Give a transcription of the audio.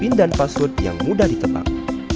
pindahkan password yang mudah ditebak